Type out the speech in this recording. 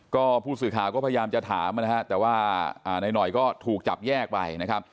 ก็ผู้สื่อข่าวก็พยายามจะถามนะฮะแต่ว่านายหน่อยก็ถูกจับแยกไปนะครับ